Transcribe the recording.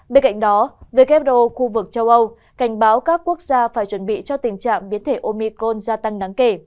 bên cạnh đó wo khu vực châu âu cảnh báo các quốc gia phải chuẩn bị cho tình trạng biến thể omico gia tăng đáng kể